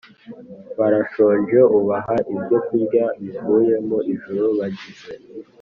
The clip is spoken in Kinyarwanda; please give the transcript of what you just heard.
Barashonje ubaha ibyokurya bivuye mu ijuru bagize